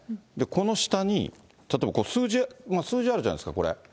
この下に、例えば数字、数字あるじゃないですか、これ。